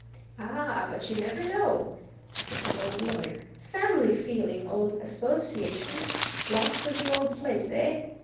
"Ah, but you never know!" said the old lawyer. "Family feeling, old associations, loss of the old place eh?